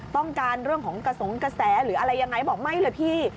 ต้องการเรื่องของกระสงกระแสหรืออะไรยังไงบอกไม่เลยพี่